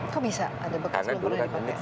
kok bisa ada bekas belum pernah dipakai